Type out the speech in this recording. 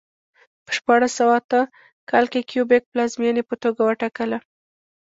په شپاړس سوه اته کال کې کیوبک پلازمېنې په توګه وټاکله.